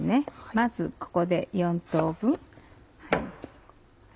まずここで４等分。